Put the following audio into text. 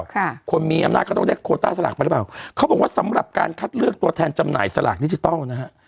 ค่ะคนมีอำนาจก็ต้องได้โคต้าสลากไปหรือเปล่าเขาบอกว่าสำหรับการคัดเลือกตัวแทนจำหน่ายสลากดิจิทัลนะฮะ